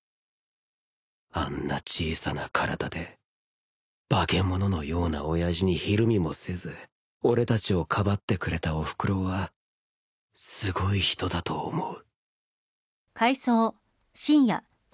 あんな小さな体で化け物のような親父にひるみもせず俺たちをかばってくれたおふくろはすごい人だと思う